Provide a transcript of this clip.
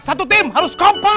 satu tim harus kompan